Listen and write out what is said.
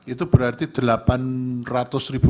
itu berarti delapan ratus ribu